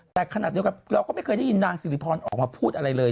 แต่ขณะเดียวกันเราก็ไม่เคยได้ยินนางสิริพรออกมาพูดอะไรเลย